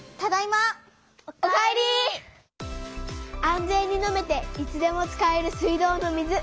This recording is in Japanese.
安全に飲めていつでも使える水道の水。